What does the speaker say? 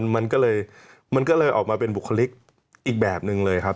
มันก็เลยมันก็เลยออกมาเป็นบุคลิกอีกแบบหนึ่งเลยครับ